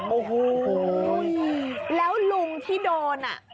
โอ้โฮโอ้โฮแล้วลุงที่โดนน่ะ